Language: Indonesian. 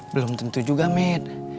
belum tentu juga med